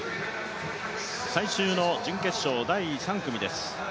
最終の準決勝第３組です。